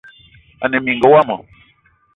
Ane mininga womo